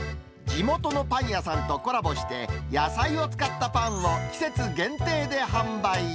地元のパン屋さんとコラボして、野菜を使ったパンを季節限定で販売。